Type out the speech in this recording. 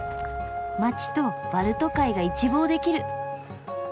街とバルト海が一望できる。